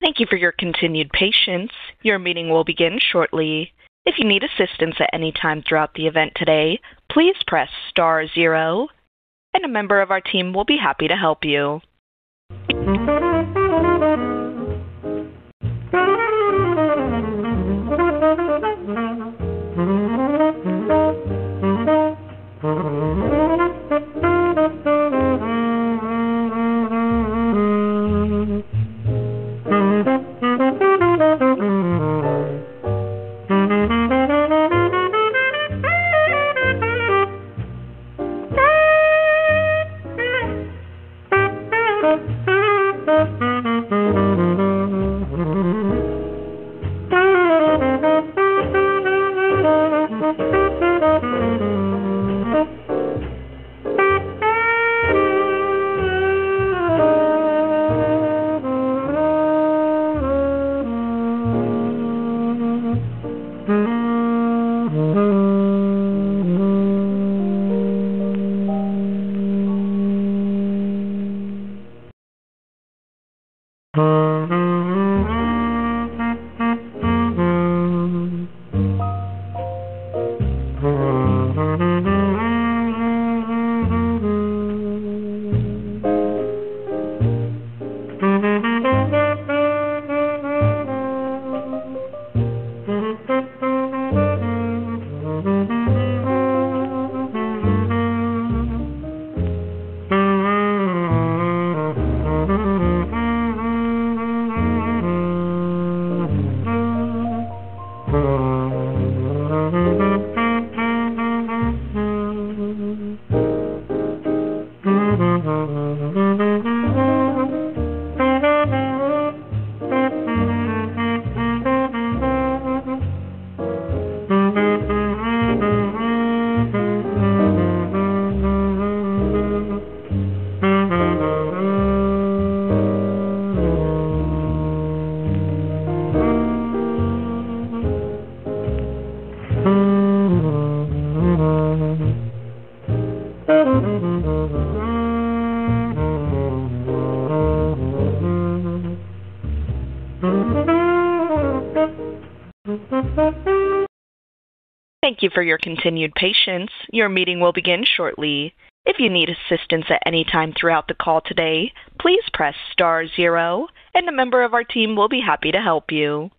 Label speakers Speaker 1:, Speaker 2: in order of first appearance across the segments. Speaker 1: Thank you for your continued patience. Your meeting will begin shortly. If you need assistance at any time throughout the event today, please press star zero and a member of our team will be happy to help you. Thank you for your continued patience. Your meeting will begin shortly. If you need assistance at any time throughout the call today, please press star zero and a member of our team will be happy to help you.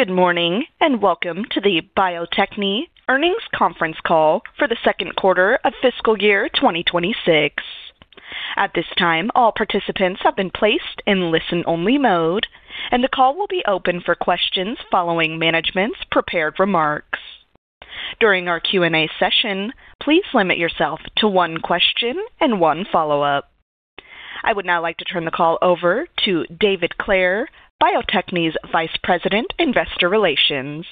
Speaker 1: Good morning, and welcome to the Bio-Techne Earnings Conference Call for the Second Quarter of Fiscal Year 2026. At this time, all participants have been placed in listen-only mode, and the call will be open for questions following management's prepared remarks. During our Q&A session, please limit yourself to one question and one follow-up. I would now like to turn the call over to David Clair, Bio-Techne's Vice President, Investor Relations.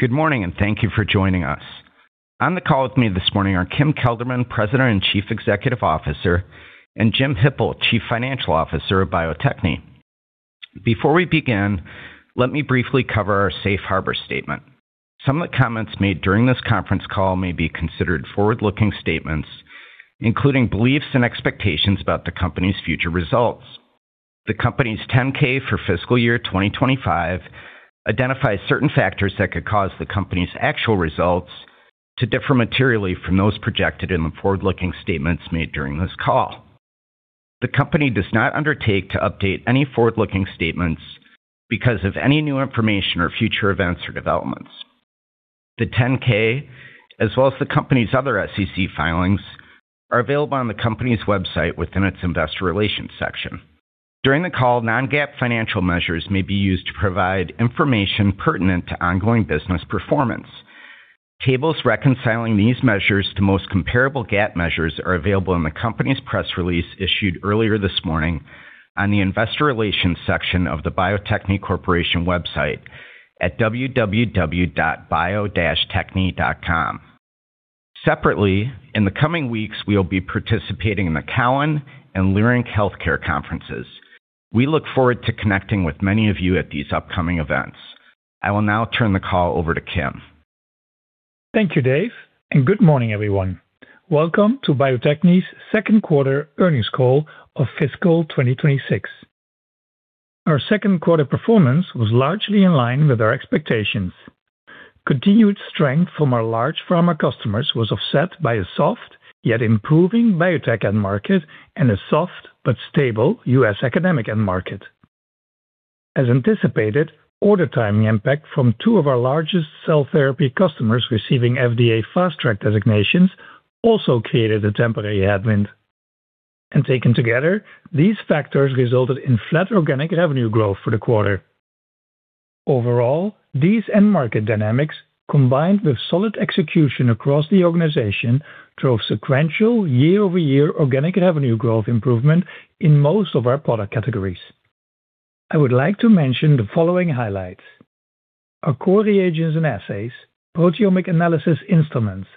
Speaker 2: Good morning, and thank you for joining us. On the call with me this morning are Kim Kelderman, President and Chief Executive Officer, and Jim Hipple, Chief Financial Officer of Bio-Techne. Before we begin, let me briefly cover our safe harbor statement. Some of the comments made during this conference call may be considered forward-looking statements, including beliefs and expectations about the company's future results. The company's 10-K for fiscal year 2025 identifies certain factors that could cause the company's actual results to differ materially from those projected in the forward-looking statements made during this call. The company does not undertake to update any forward-looking statements because of any new information or future events or developments. The 10-K, as well as the company's other SEC filings, are available on the company's website within its investor relations section. During the call, non-GAAP financial measures may be used to provide information pertinent to ongoing business performance. Tables reconciling these measures to most comparable GAAP measures are available in the company's press release issued earlier this morning on the Investor Relations section of the Bio-Techne Corporation website at www.bio-techne.com. Separately, in the coming weeks, we will be participating in the Cowen and Leerink Healthcare Conferences. We look forward to connecting with many of you at these upcoming events. I will now turn the call over to Kim.
Speaker 3: Thank you, Dave, and good morning, everyone. Welcome to Bio-Techne's Second Quarter Earnings Call of Fiscal 2026. Our second quarter performance was largely in line with our expectations. Continued strength from our large pharma customers was offset by a soft, yet improving biotech end market and a soft but stable U.S. academic end market. As anticipated, order timing impact from two of our largest cell therapy customers receiving FDA Fast Track designations also created a temporary headwind. And taken together, these factors resulted in flat organic revenue growth for the quarter. Overall, these end market dynamics, combined with solid execution across the organization, drove sequential year-over-year organic revenue growth improvement in most of our product categories. I would like to mention the following highlights: Our core reagents and assays, proteomic analysis instruments,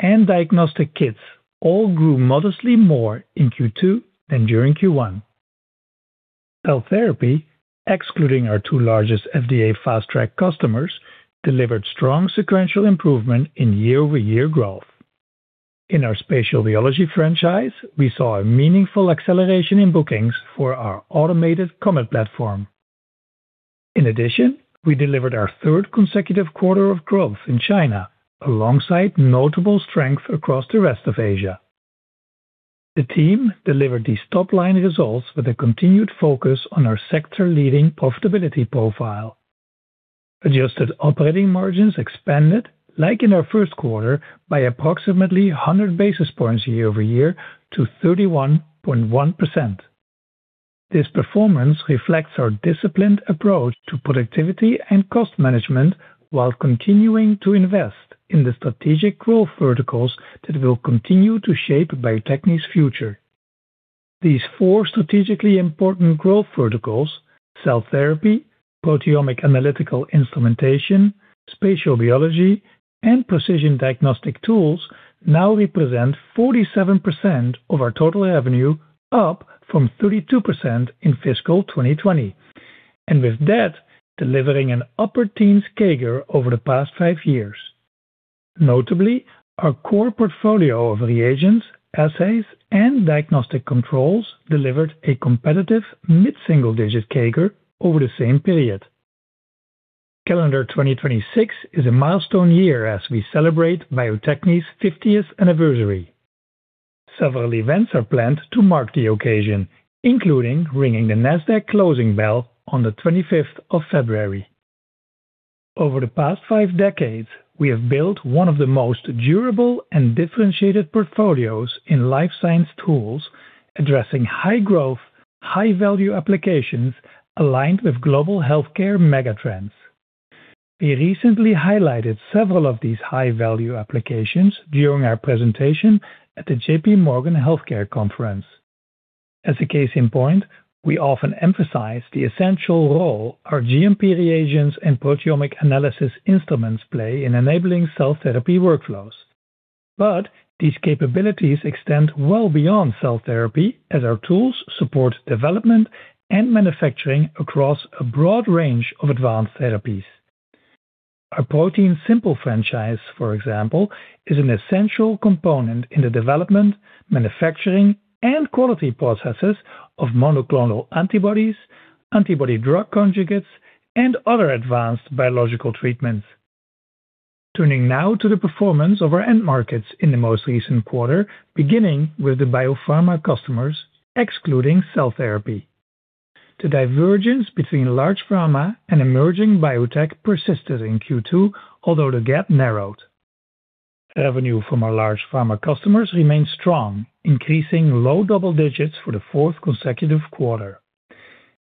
Speaker 3: and diagnostic kits all grew modestly more in Q2 than during Q1. Cell therapy, excluding our two largest FDA Fast Track customers, delivered strong sequential improvement in year-over-year growth. In our spatial biology franchise, we saw a meaningful acceleration in bookings for our automated COMET platform. In addition, we delivered our third consecutive quarter of growth in China, alongside notable strength across the rest of Asia. The team delivered these top-line results with a continued focus on our sector-leading profitability profile. Adjusted operating margins expanded, like in our first quarter, by approximately 100 basis points year-over-year to 31.1%. This performance reflects our disciplined approach to productivity and cost management while continuing to invest in the strategic growth verticals that will continue to shape Bio-Techne's future. These four strategically important growth verticals, cell therapy, proteomic analytical instrumentation, spatial biology, and precision diagnostic tools, now represent 47% of our total revenue, up from 32% in fiscal 2020, and with that, delivering an upper teens CAGR over the past five years. Notably, our core portfolio of reagents, assays, and diagnostic controls delivered a competitive mid-single-digit CAGR over the same period. Calendar 2026 is a milestone year as we celebrate Bio-Techne's 50th anniversary. Several events are planned to mark the occasion, including ringing the Nasdaq closing bell on the 25th of February. Over the past 5 decades, we have built one of the most durable and differentiated portfolios in life science tools, addressing high growth, high-value applications aligned with global healthcare megatrends. We recently highlighted several of these high-value applications during our presentation at the JPMorgan Healthcare Conference. As a case in point, we often emphasize the essential role our GMP reagents and proteomic analysis instruments play in enabling cell therapy workflows. But these capabilities extend well beyond cell therapy, as our tools support development and manufacturing across a broad range of advanced therapies. Our ProteinSimple franchise, for example, is an essential component in the development, manufacturing, and quality processes of monoclonal antibodies, antibody drug conjugates, and other advanced biological treatments. Turning now to the performance of our end markets in the most recent quarter, beginning with the biopharma customers, excluding cell therapy. The divergence between large pharma and emerging biotech persisted in Q2, although the gap narrowed. Revenue from our large pharma customers remained strong, increasing low double digits for the fourth consecutive quarter.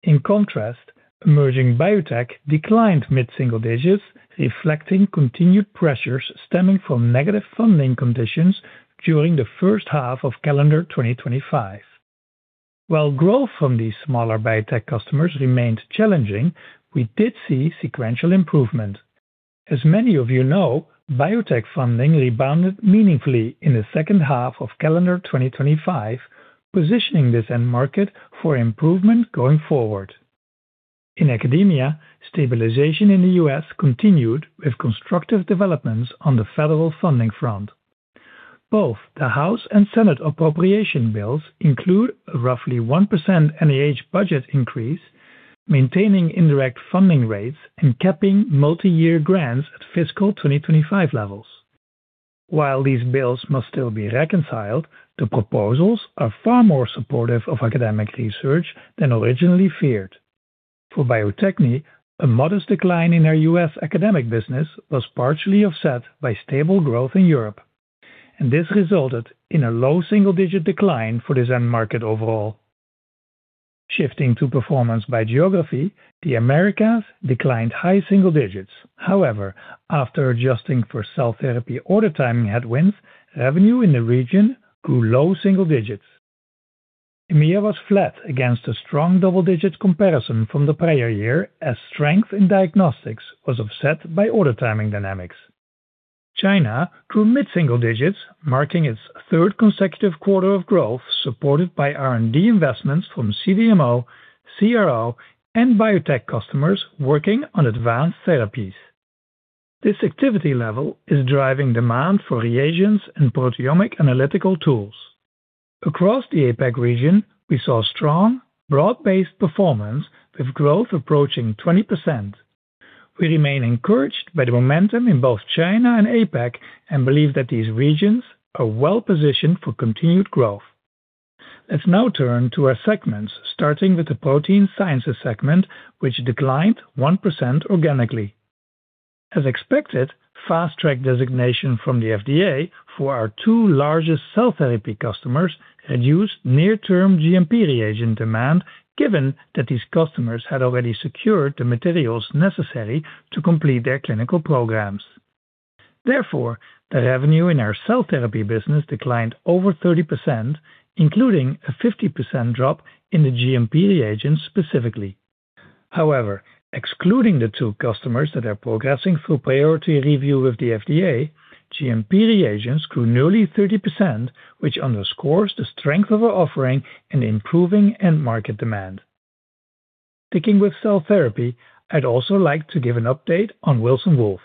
Speaker 3: In contrast, emerging biotech declined mid-single digits, reflecting continued pressures stemming from negative funding conditions during the first half of calendar 2025. While growth from these smaller biotech customers remained challenging, we did see sequential improvement. As many of you know, biotech funding rebounded meaningfully in the second half of calendar 2025, positioning this end market for improvement going forward. In academia, stabilization in the U.S. continued with constructive developments on the federal funding front. Both the House and Senate appropriation bills include a roughly 1% NEH budget increase, maintaining indirect funding rates and capping multi-year grants at fiscal 2025 levels. While these bills must still be reconciled, the proposals are far more supportive of academic research than originally feared. For Bio-Techne, a modest decline in our U.S. academic business was partially offset by stable growth in Europe.... This resulted in a low single-digit decline for this end market overall. Shifting to performance by geography, the Americas declined high single digits. However, after adjusting for cell therapy order timing headwinds, revenue in the region grew low single digits. EMEA was flat against a strong double-digit comparison from the prior year, as strength in diagnostics was offset by order timing dynamics. China grew mid-single digits, marking its third consecutive quarter of growth, supported by R&D investments from CDMO, CRO, and biotech customers working on advanced therapies. This activity level is driving demand for reagents and proteomic analytical tools. Across the APAC region, we saw strong, broad-based performance with growth approaching 20%. We remain encouraged by the momentum in both China and APAC, and believe that these regions are well-positioned for continued growth. Let's now turn to our segments, starting with the Protein Sciences segment, which declined 1% organically. As expected, fast-track designation from the FDA for our two largest cell therapy customers reduced near-term GMP reagent demand, given that these customers had already secured the materials necessary to complete their clinical programs. Therefore, the revenue in our cell therapy business declined over 30%, including a 50% drop in the GMP reagents specifically. However, excluding the two customers that are progressing through priority review with the FDA, GMP reagents grew nearly 30%, which underscores the strength of our offering and improving end market demand. Sticking with cell therapy, I'd also like to give an update on Wilson Wolf.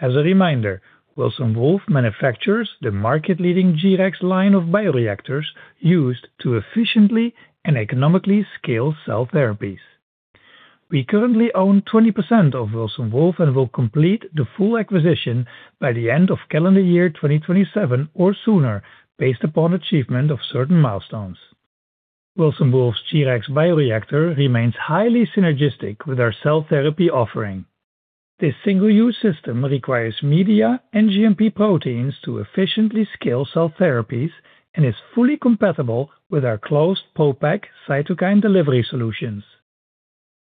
Speaker 3: As a reminder, Wilson Wolf manufactures the market-leading G-Rex line of bioreactors used to efficiently and economically scale cell therapies. We currently own 20% of Wilson Wolf and will complete the full acquisition by the end of calendar year 2027 or sooner, based upon achievement of certain milestones. Wilson Wolf's G-Rex bioreactor remains highly synergistic with our cell therapy offering. This single-use system requires media and GMP proteins to efficiently scale cell therapies and is fully compatible with our closed ProPak cytokine delivery solutions.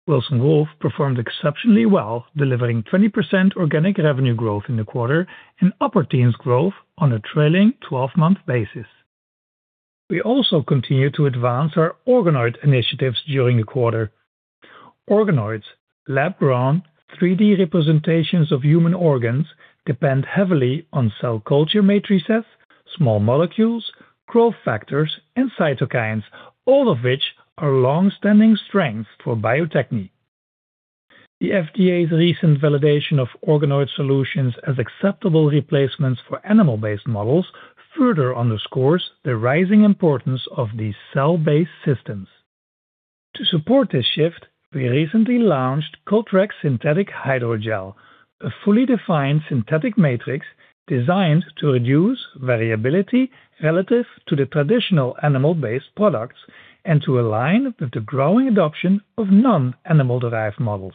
Speaker 3: Wilson Wolf performed exceptionally well, delivering 20% organic revenue growth in the quarter and upper teens growth on a trailing twelve-month basis. We also continued to advance our organoid initiatives during the quarter. Organoids, lab-grown 3D representations of human organs, depend heavily on cell culture matrices, small molecules, growth factors, and cytokines, all of which are long-standing strengths for Bio-Techne. The FDA's recent validation of organoid solutions as acceptable replacements for animal-based models further underscores the rising importance of these cell-based systems. To support this shift, we recently launched Cultrex Synthetic Hydrogel, a fully defined synthetic matrix designed to reduce variability relative to the traditional animal-based products and to align with the growing adoption of non-animal-derived models.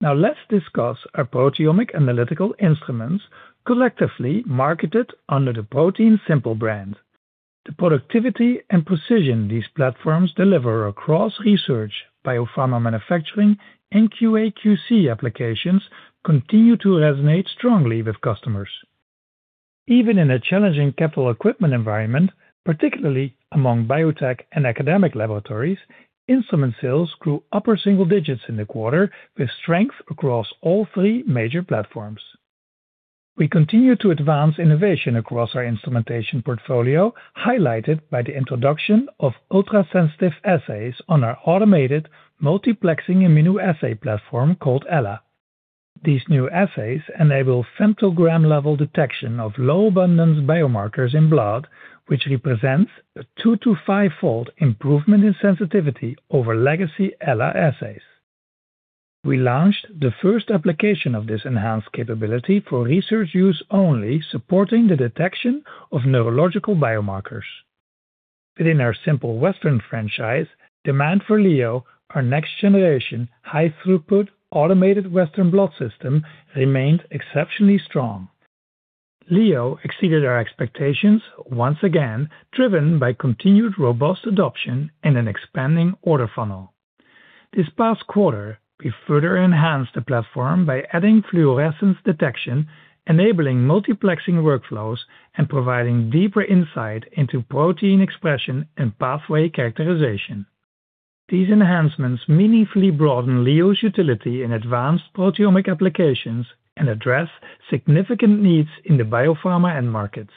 Speaker 3: Now, let's discuss our proteomic analytical instruments, collectively marketed under the ProteinSimple brand. The productivity and precision these platforms deliver across research, biopharma manufacturing, and QA/QC applications continue to resonate strongly with customers. Even in a challenging capital equipment environment, particularly among biotech and academic laboratories, instrument sales grew upper single digits in the quarter, with strength across all three major platforms. We continue to advance innovation across our instrumentation portfolio, highlighted by the introduction of ultrasensitive assays on our automated multiplexing immunoassay platform called Ella. These new assays enable femtogram-level detection of low-abundance biomarkers in blood, which represents a 2-5-fold improvement in sensitivity over legacy Ella assays. We launched the first application of this enhanced capability for research use only, supporting the detection of neurological biomarkers. Within our Simple Western franchise, demand for Leo, our next-generation, high-throughput, automated western blot system, remained exceptionally strong. Leo exceeded our expectations once again, driven by continued robust adoption and an expanding order funnel. This past quarter, we further enhanced the platform by adding fluorescence detection, enabling multiplexing workflows and providing deeper insight into protein expression and pathway characterization. These enhancements meaningfully broaden Leo's utility in advanced proteomic applications and address significant needs in the biopharma end markets.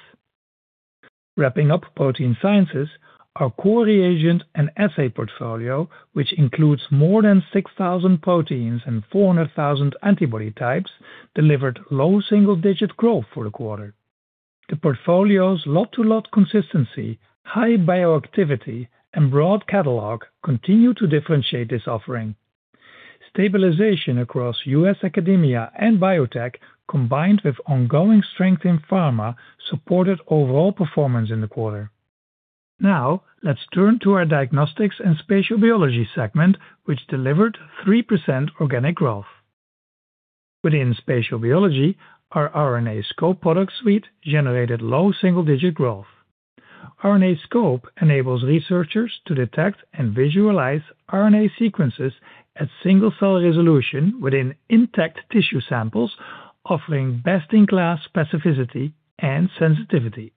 Speaker 3: Wrapping up protein sciences, our core reagent and assay portfolio, which includes more than 6,000 proteins and 400,000 antibody types, delivered low double-digit growth for the quarter. The portfolio's lot-to-lot consistency, high bioactivity, and broad catalog continue to differentiate this offering. Stabilization across U.S. academia and biotech, combined with ongoing strength in pharma, supported overall performance in the quarter. Now, let's turn to our diagnostics and spatial biology segment, which delivered 3% organic growth. Within spatial biology, our RNAscope product suite generated low single-digit growth. RNAscope enables researchers to detect and visualize RNA sequences at single-cell resolution within intact tissue samples, offering best-in-class specificity and sensitivity.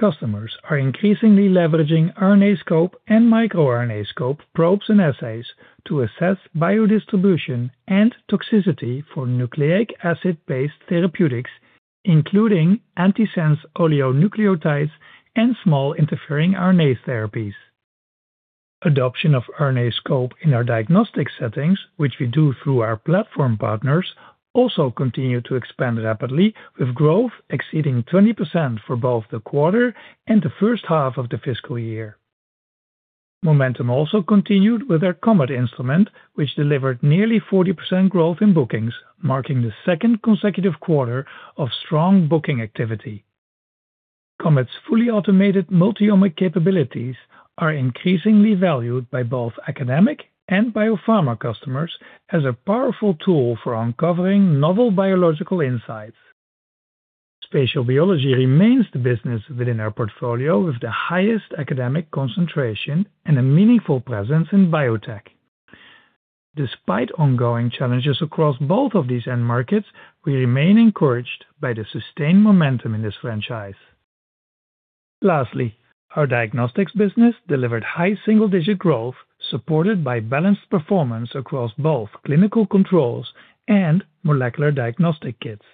Speaker 3: Customers are increasingly leveraging RNAscope and miRNAscope probes and assays to assess biodistribution and toxicity for nucleic acid-based therapeutics, including antisense oligonucleotides and small interfering RNA therapies. Adoption of RNAscope in our diagnostic settings, which we do through our platform partners, also continued to expand rapidly, with growth exceeding 20% for both the quarter and the first half of the fiscal year. Momentum also continued with our COMET instrument, which delivered nearly 40% growth in bookings, marking the second consecutive quarter of strong booking activity. COMET's fully automated multiomic capabilities are increasingly valued by both academic and biopharma customers as a powerful tool for uncovering novel biological insights. Spatial biology remains the business within our portfolio with the highest academic concentration and a meaningful presence in biotech. Despite ongoing challenges across both of these end markets, we remain encouraged by the sustained momentum in this franchise. Lastly, our diagnostics business delivered high single-digit growth, supported by balanced performance across both clinical controls and molecular diagnostic kits.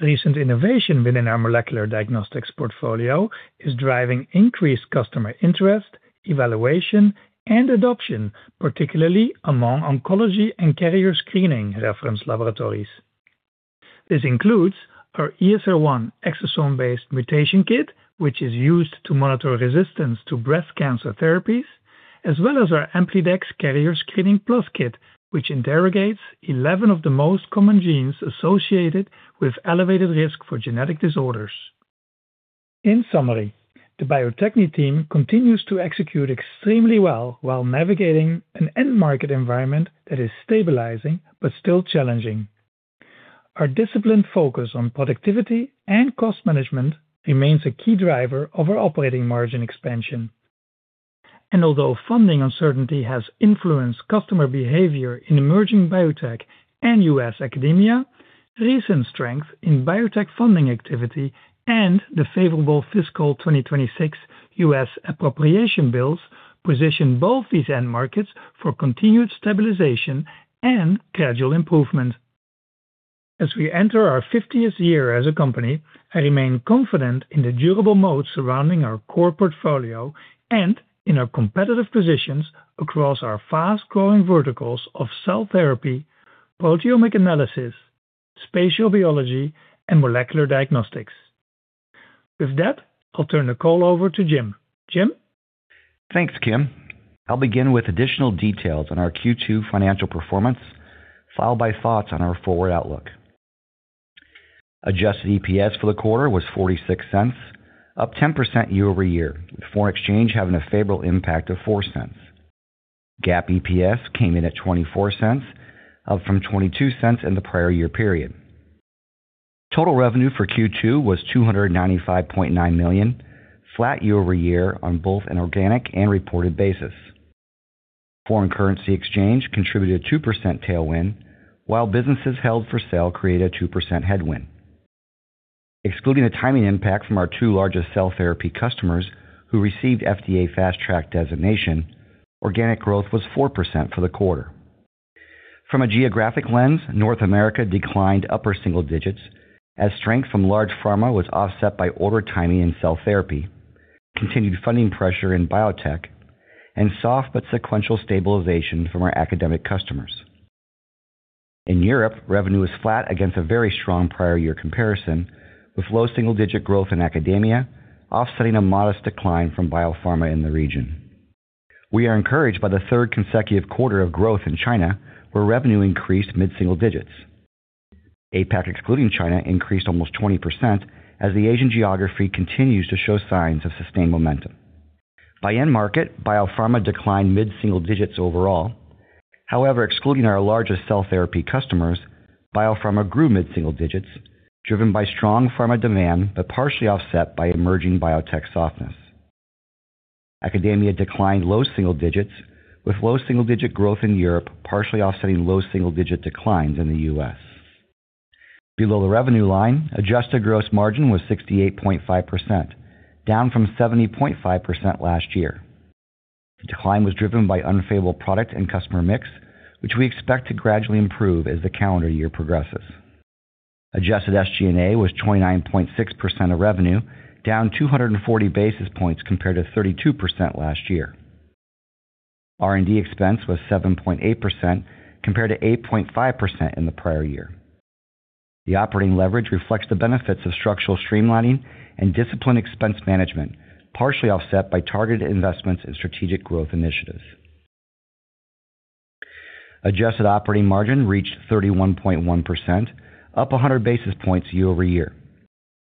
Speaker 3: Recent innovation within our molecular diagnostics portfolio is driving increased customer interest, evaluation, and adoption, particularly among oncology and carrier screening reference laboratories. This includes our ESR1 exosome-based mutation kit, which is used to monitor resistance to breast cancer therapies, as well as our AmplideX Carrier Screening Plus kit, which interrogates 11 of the most common genes associated with elevated risk for genetic disorders. In summary, the Bio-Techne team continues to execute extremely well while navigating an end market environment that is stabilizing but still challenging. Our disciplined focus on productivity and cost management remains a key driver of our operating margin expansion. Although funding uncertainty has influenced customer behavior in emerging biotech and U.S. academia, recent strength in biotech funding activity and the favorable fiscal 2026 U.S. appropriation bills position both these end markets for continued stabilization and gradual improvement. As we enter our fiftieth year as a company, I remain confident in the durable moat surrounding our core portfolio and in our competitive positions across our fast-growing verticals of cell therapy, proteomic analysis, spatial biology, and molecular diagnostics. With that, I'll turn the call over to Jim. Jim?
Speaker 4: Thanks, Kim. I'll begin with additional details on our Q2 financial performance, followed by thoughts on our forward outlook. Adjusted EPS for the quarter was $0.46, up 10% year over year, with foreign exchange having a favorable impact of $0.04. GAAP EPS came in at $0.24, up from $0.22 in the prior year period. Total revenue for Q2 was $295.9 million, flat year over year on both an organic and reported basis. Foreign currency exchange contributed a 2% tailwind, while businesses held for sale created a 2% headwind. Excluding the timing impact from our two largest cell therapy customers, who received FDA Fast Track designation, organic growth was 4% for the quarter. From a geographic lens, North America declined upper single digits, as strength from large pharma was offset by order timing in cell therapy, continued funding pressure in biotech, and soft but sequential stabilization from our academic customers. In Europe, revenue was flat against a very strong prior year comparison, with low single-digit growth in academia offsetting a modest decline from biopharma in the region. We are encouraged by the third consecutive quarter of growth in China, where revenue increased mid-single digits. APAC, excluding China, increased almost 20%, as the Asian geography continues to show signs of sustained momentum. By end market, biopharma declined mid-single digits overall. However, excluding our largest cell therapy customers, biopharma grew mid-single digits, driven by strong pharma demand, but partially offset by emerging biotech softness. Academia declined low single digits, with low single-digit growth in Europe, partially offsetting low single-digit declines in the US. Below the revenue line, adjusted gross margin was 68.5%, down from 70.5% last year. The decline was driven by unfavorable product and customer mix, which we expect to gradually improve as the calendar year progresses. Adjusted SG&A was 29.6% of revenue, down 240 basis points compared to 32% last year. R&D expense was 7.8%, compared to 8.5% in the prior year. The operating leverage reflects the benefits of structural streamlining and disciplined expense management, partially offset by targeted investments in strategic growth initiatives....Adjusted operating margin reached 31.1%, up 100 basis points year-over-year.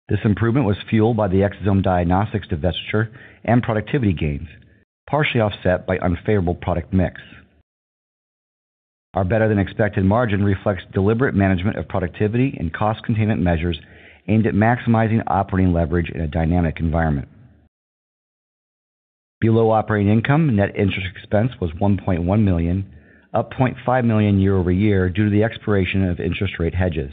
Speaker 4: This improvement was fueled by the exosome diagnostics divestiture and productivity gains, partially offset by unfavorable product mix. Our better-than-expected margin reflects deliberate management of productivity and cost containment measures aimed at maximizing operating leverage in a dynamic environment. Below operating income, net interest expense was $1.1 million, up $0.5 million year-over-year, due to the expiration of interest rate hedges.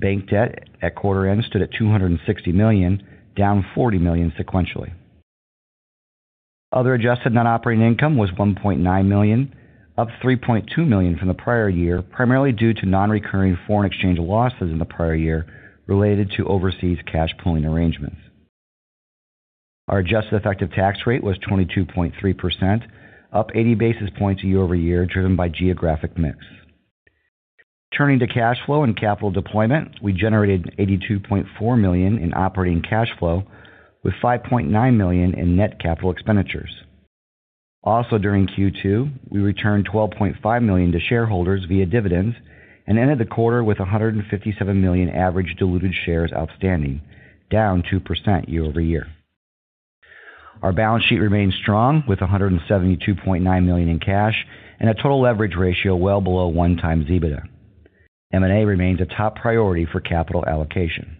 Speaker 4: Bank debt at quarter end stood at $260 million, down $40 million sequentially. Other adjusted net operating income was $1.9 million, up $3.2 million from the prior year, primarily due to non-recurring foreign exchange losses in the prior year related to overseas cash pooling arrangements. Our adjusted effective tax rate was 22.3%, up 80 basis points year-over-year, driven by geographic mix. Turning to cash flow and capital deployment, we generated $82.4 million in operating cash flow, with $5.9 million in net capital expenditures. Also during Q2, we returned $12.5 million to shareholders via dividends and ended the quarter with 157 million average diluted shares outstanding, down 2% year-over-year. Our balance sheet remains strong, with $172.9 million in cash and a total leverage ratio well below 1x EBITDA. M&A remains a top priority for capital allocation.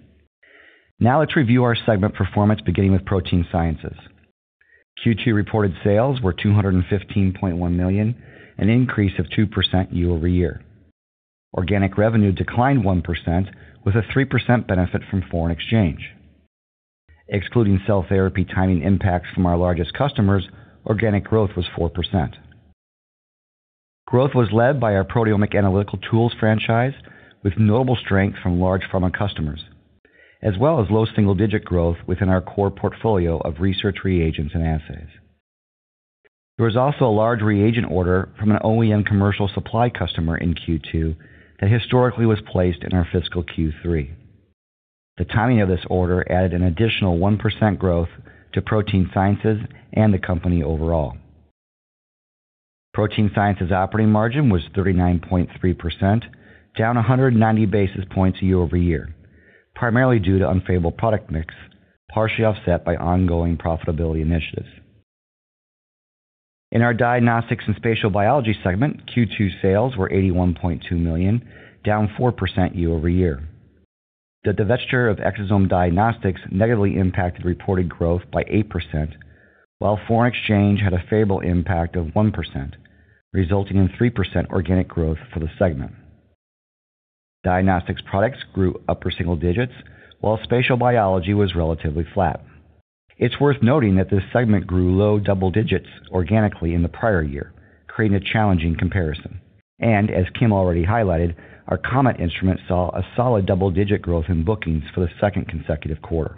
Speaker 4: Now let's review our segment performance, beginning with Protein Sciences. Q2 reported sales were $215.1 million, an increase of 2% year-over-year. Organic revenue declined 1%, with a 3% benefit from foreign exchange. Excluding cell therapy timing impacts from our largest customers, organic growth was 4%. Growth was led by our proteomic analytical tools franchise, with notable strength from large pharma customers, as well as low single-digit growth within our core portfolio of research reagents and assays. There was also a large reagent order from an OEM commercial supply customer in Q2 that historically was placed in our fiscal Q3. The timing of this order added an additional 1% growth to Protein Sciences and the company overall. Protein Sciences operating margin was 39.3%, down 190 basis points year-over-year, primarily due to unfavorable product mix, partially offset by ongoing profitability initiatives. In our diagnostics and spatial biology segment, Q2 sales were $81.2 million, down 4% year-over-year. The divestiture of Exosome Diagnostics negatively impacted reported growth by 8%, while foreign exchange had a favorable impact of 1%, resulting in 3% organic growth for the segment. Diagnostics products grew upper single digits, while spatial biology was relatively flat. It's worth noting that this segment grew low double digits organically in the prior year, creating a challenging comparison. As Kim already highlighted, our Comet instrument saw a solid double-digit growth in bookings for the second consecutive quarter.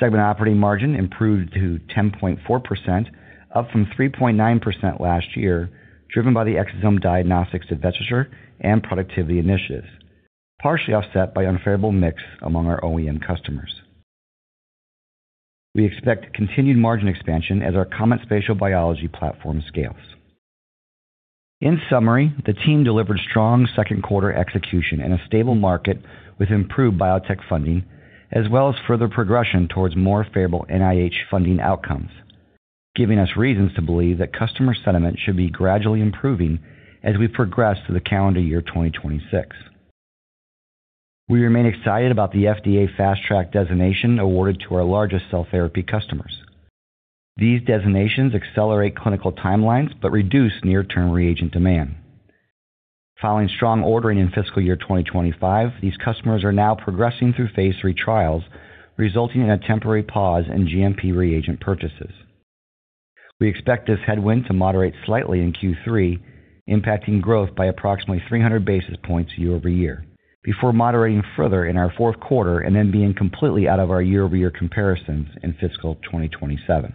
Speaker 4: Segment operating margin improved to 10.4%, up from 3.9% last year, driven by the Exosome Diagnostics divestiture and productivity initiatives, partially offset by unfavorable mix among our OEM customers. We expect continued margin expansion as our Comet spatial biology platform scales. In summary, the team delivered strong second quarter execution in a stable market with improved biotech funding, as well as further progression towards more favorable NIH funding outcomes, giving us reasons to believe that customer sentiment should be gradually improving as we progress through the calendar year 2026. We remain excited about the FDA Fast Track designation awarded to our largest cell therapy customers. These designations accelerate clinical timelines but reduce near-term reagent demand. Following strong ordering in fiscal year 2025, these customers are now progressing through phase III trials, resulting in a temporary pause in GMP reagent purchases. We expect this headwind to moderate slightly in Q3, impacting growth by approximately 300 basis points year-over-year, before moderating further in our fourth quarter and then being completely out of our year-over-year comparisons in fiscal 2027.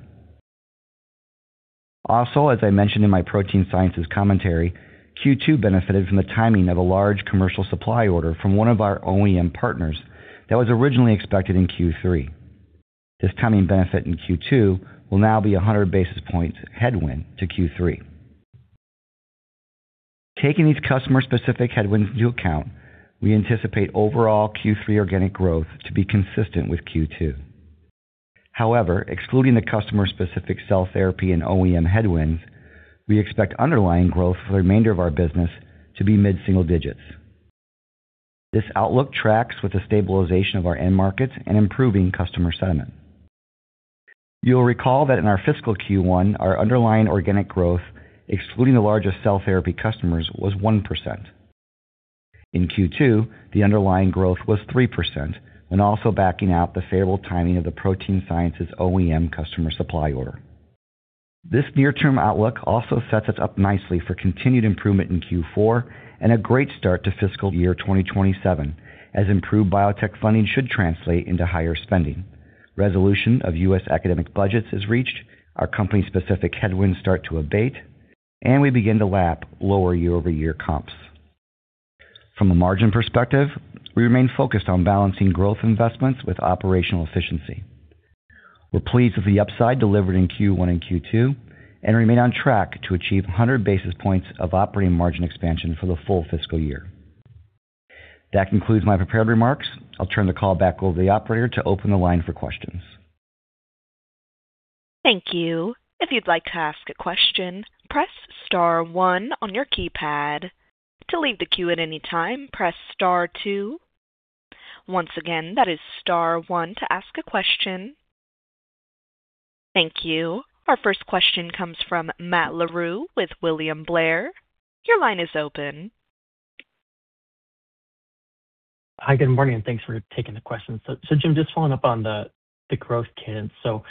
Speaker 4: Also, as I mentioned in my protein sciences commentary, Q2 benefited from the timing of a large commercial supply order from one of our OEM partners that was originally expected in Q3. This timing benefit in Q2 will now be 100 basis points headwind to Q3. Taking these customer-specific headwinds into account, we anticipate overall Q3 organic growth to be consistent with Q2. However, excluding the customer-specific cell therapy and OEM headwinds, we expect underlying growth for the remainder of our business to be mid-single digits. This outlook tracks with the stabilization of our end markets and improving customer sentiment. You'll recall that in our fiscal Q1, our underlying organic growth, excluding the largest cell therapy customers, was 1%. In Q2, the underlying growth was 3% and also backing out the favorable timing of the protein sciences OEM customer supply order. This near-term outlook also sets us up nicely for continued improvement in Q4 and a great start to fiscal year 2027, as improved biotech funding should translate into higher spending. Resolution of U.S. academic budgets is reached, our company's specific headwinds start to abate, and we begin to lap lower year-over-year comps. From a margin perspective, we remain focused on balancing growth investments with operational efficiency. We're pleased with the upside delivered in Q1 and Q2, and remain on track to achieve 100 basis points of operating margin expansion for the full fiscal year. That concludes my prepared remarks. I'll turn the call back over to the operator to open the line for questions.
Speaker 1: Thank you. If you'd like to ask a question, press star one on your keypad. To leave the queue at any time, press star two. Once again, that is star one to ask a question. Thank you. Our first question comes from Matt Larew with William Blair. Your line is open.
Speaker 5: Hi, good morning, and thanks for taking the question. So, so Jim, just following up on the, the growth cadence. So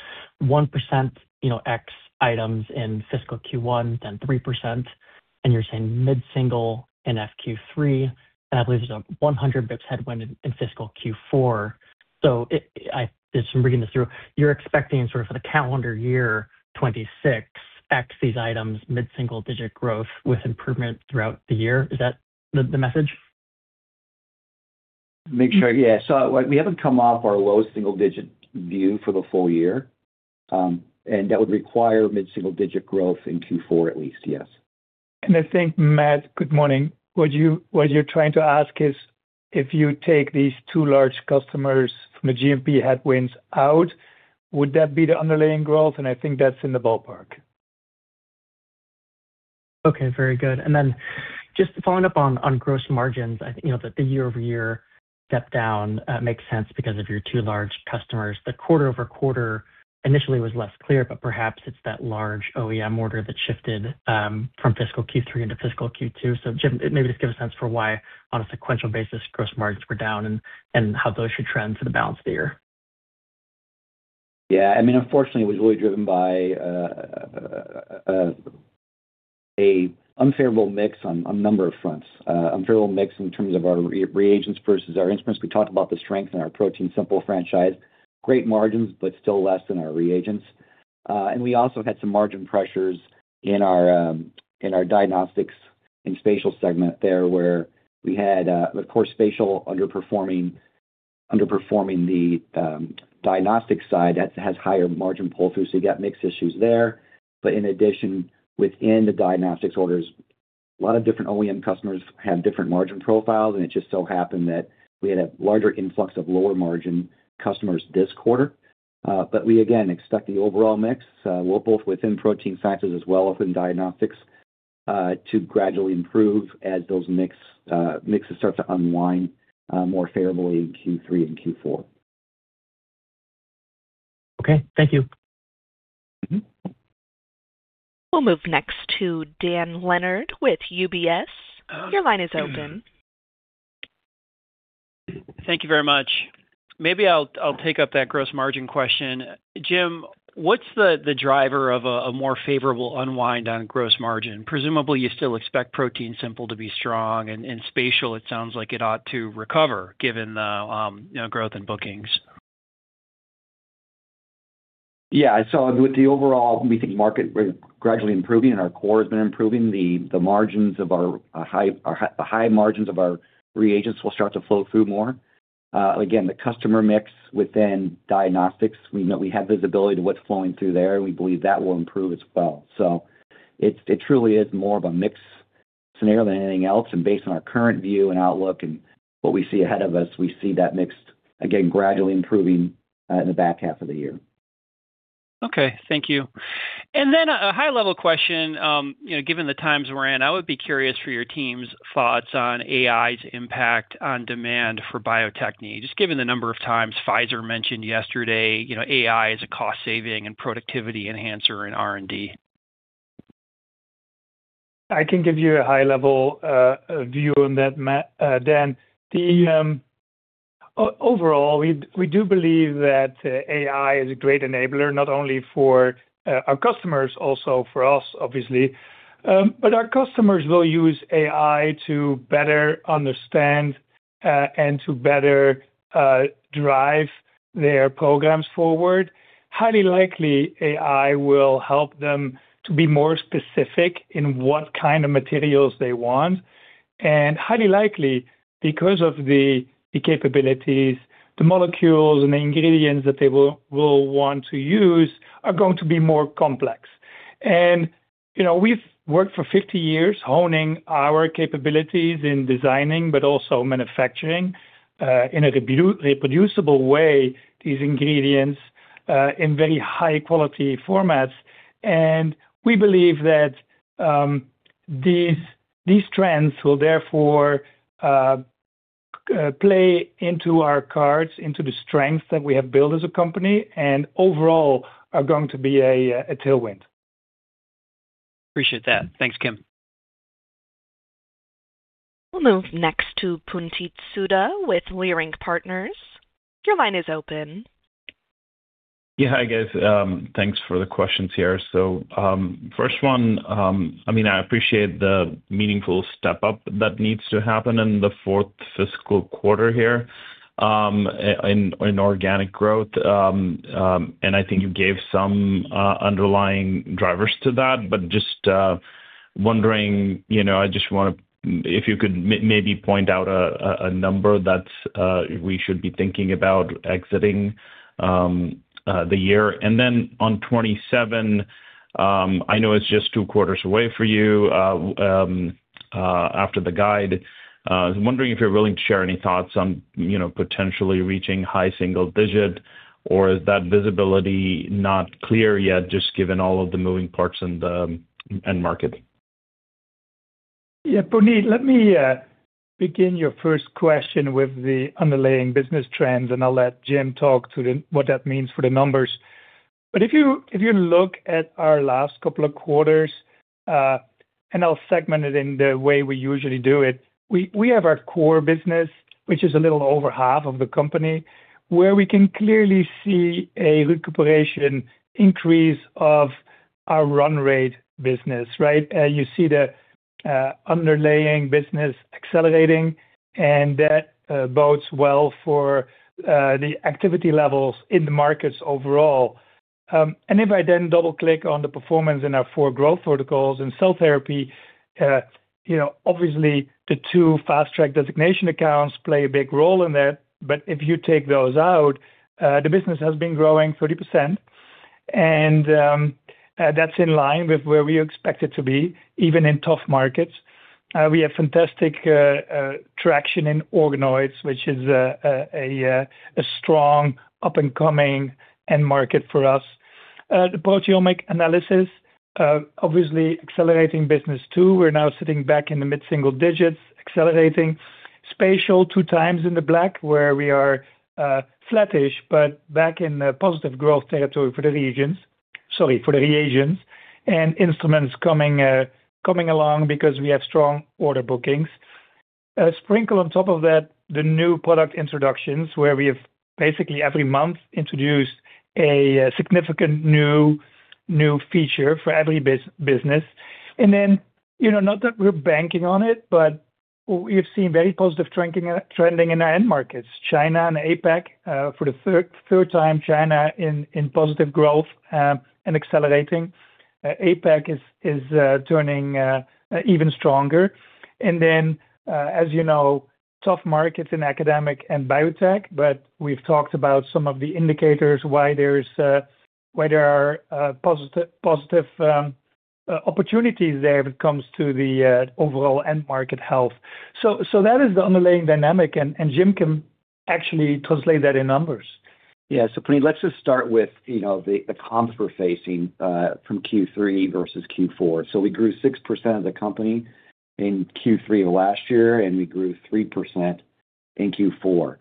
Speaker 5: 1%, you know, ex-items in fiscal Q1, then 3%, and you're saying mid-single in FQ3, and I believe there's a 100 basis points headwind in fiscal Q4. So it—I just reading this through, you're expecting sort of for the calendar year 2026, ex these items, mid-single digit growth with improvement throughout the year. Is that the, the message?
Speaker 4: Make sure, yeah. So, like, we haven't come off our low single-digit view for the full year, and that would require mid-single-digit growth in Q4, at least, yes.
Speaker 3: And I think, Matt, good morning. What you're trying to ask is, if you take these two large customers from the GMP headwinds out, would that be the underlying growth? And I think that's in the ballpark.
Speaker 5: Okay, very good. And then just following up on gross margins, I think, you know, that the year-over-year step down makes sense because of your two large customers. The quarter-over-quarter initially was less clear, but perhaps it's that large OEM order that shifted from fiscal Q3 into fiscal Q2. So Jim, maybe just give a sense for why, on a sequential basis, gross margins were down and how those should trend for the balance of the year.
Speaker 4: Yeah, I mean, unfortunately, it was really driven by a unfavorable mix on a number of fronts. Unfavorable mix in terms of our reagents versus our instruments. We talked about the strength in our ProteinSimple franchise. Great margins, but still less than our reagents. And we also had some margin pressures in our diagnostics and spatial segment there, where we had, of course, spatial underperforming the diagnostics side that has higher margin pull-through, so you got mix issues there. But in addition, within the diagnostics orders, a lot of different OEM customers have different margin profiles, and it just so happened that we had a larger influx of lower margin customers this quarter. But we again expect the overall mix, both within protein factors as well as in diagnostics, to gradually improve as those mixes start to unwind more favorably in Q3 and Q4.
Speaker 5: Okay, thank you.
Speaker 4: Mm-hmm.
Speaker 1: We'll move next to Dan Leonard with UBS. Your line is open.
Speaker 6: Thank you very much. Maybe I'll pick up that gross margin question. Jim, what's the driver of a more favorable unwind on gross margin? Presumably, you still expect ProteinSimple to be strong, and spatial, it sounds like it ought to recover, given the, you know, growth in bookings.
Speaker 4: Yeah, so with the overall market, we think we're gradually improving and our core has been improving. The high margins of our reagents will start to flow through more. Again, the customer mix within diagnostics, we know we have visibility to what's flowing through there, and we believe that will improve as well. So it truly is more of a mix scenario than anything else. And based on our current view and outlook and what we see ahead of us, we see that mix again, gradually improving in the back half of the year.
Speaker 6: Okay, thank you. Then a high-level question, you know, given the times we're in, I would be curious for your team's thoughts on AI's impact on demand for biotech needs. Just given the number of times Pfizer mentioned yesterday, you know, AI is a cost saving and productivity enhancer in R&D.
Speaker 3: I can give you a high-level view on that, Matt, Dan. Overall, we do believe that AI is a great enabler, not only for our customers, also for us, obviously. But our customers will use AI to better understand and to better drive their programs forward. Highly likely, AI will help them to be more specific in what kind of materials they want. And highly likely, because of the capabilities, the molecules and the ingredients that they will want to use are going to be more complex. And, you know, we've worked for 50 years honing our capabilities in designing, but also manufacturing in a reproducible way, these ingredients in very high-quality formats. We believe that these trends will therefore play into our cards, into the strength that we have built as a company, and overall are going to be a tailwind.
Speaker 6: Appreciate that. Thanks, Kim.
Speaker 1: We'll move next to Puneet Souda with Leerink Partners. Your line is open.
Speaker 7: Yeah, hi, guys. Thanks for the questions here. So, first one, I mean, I appreciate the meaningful step up that needs to happen in the fourth fiscal quarter here.... in organic growth. And I think you gave some underlying drivers to that, but just wondering, you know, I just wonder, if you could maybe point out a number that we should be thinking about exiting the year. And then on 2027, I know it's just two quarters away for you, after the guide. I was wondering if you're willing to share any thoughts on, you know, potentially reaching high single digit, or is that visibility not clear yet, just given all of the moving parts in the end market?
Speaker 3: Yeah, Puneet, let me begin your first question with the underlying business trends, and I'll let Jim talk to what that means for the numbers. But if you look at our last couple of quarters, and I'll segment it in the way we usually do it. We have our core business, which is a little over half of the company, where we can clearly see a recuperation increase of our run rate business, right? You see the underlying business accelerating, and that bodes well for the activity levels in the markets overall. And if I then double-click on the performance in our four growth protocols and cell therapy, you know, obviously, the two fast track designation accounts play a big role in that. But if you take those out, the business has been growing 30%, and that's in line with where we expect it to be, even in tough markets. We have fantastic traction in organoids, which is a strong up-and-coming end market for us. The proteomic analysis obviously accelerating business, too. We're now sitting back in the mid-single digits, accelerating. Spatial, two times in the black, where we are flattish, but back in a positive growth territory for the regions, sorry, for the reagents. And instruments coming along because we have strong order bookings. Sprinkle on top of that, the new product introductions, where we have basically every month introduced a significant new feature for every business. And then, you know, not that we're banking on it, but we've seen very positive trending in our end markets. China and APAC for the third time, China in positive growth and accelerating. APAC is turning even stronger. And then, as you know, soft markets in academic and biotech, but we've talked about some of the indicators why there are positive opportunities there when it comes to the overall end market health. So, that is the underlying dynamic, and Jim can actually translate that in numbers.
Speaker 4: Yeah. So Puneet, let's just start with, you know, the comps we're facing from Q3 versus Q4. So we grew 6% of the company in Q3 of last year, and we grew 3% in Q4.